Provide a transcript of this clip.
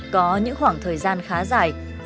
có những khoảng thời gian khá dài